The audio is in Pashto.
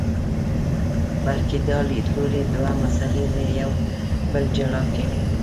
بلکې دا لیدلوری دوه مسئلې له یو بل جلا کوي.